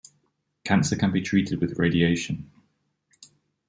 Cancer can be treated with radiation.